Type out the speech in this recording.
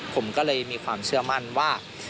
ผมก็เลยมีความเชื่อมั่นว่า